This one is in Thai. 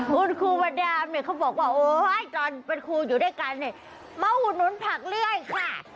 คุณครูบาดานเนี่ยเขาบอกว่าโอ๊ยตอนเป็นครูอยู่ด้วยกันเนี่ยมาอุดหนุนผักเลื่อยค่ะ